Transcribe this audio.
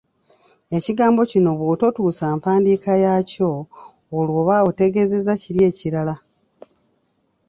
Ekigambo kino bw’ototuusa mpandiika yaakyo, olwo oba otegeeza kiri ekirala.